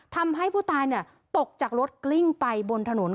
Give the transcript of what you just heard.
ทำให้ผู้ตายตกจากรถกลิ้งไปบนถนน